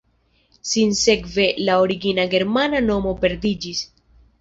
Sinsekve la origina germana nomo perdiĝis.